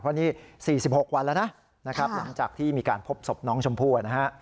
เพราะนี่๔๖วันแล้วนะหลังจากที่มีการพบศพน้องชมพู่